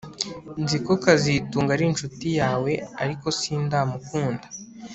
Nzi ko kazitunga ari inshuti yawe ariko sindamukunda